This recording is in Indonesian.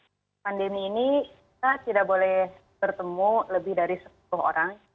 di pandemi ini kita tidak boleh bertemu lebih dari sepuluh orang